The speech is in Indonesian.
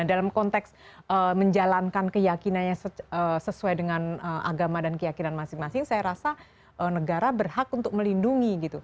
dalam konteks menjalankan keyakinannya sesuai dengan agama dan keyakinan masing masing saya rasa negara berhak untuk melindungi gitu